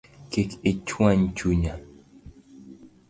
Kik ichuany chunya